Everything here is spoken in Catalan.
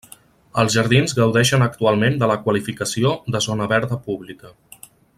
Els jardins gaudeixen actualment de la qualificació de Zona Verda Pública.